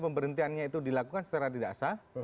pemberhentiannya itu dilakukan secara tidak sah